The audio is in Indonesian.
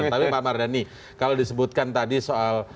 tapi pak mardhani kalau disebutkan tadi soal